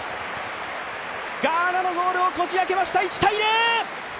ガーナのゴールをこじ開けました！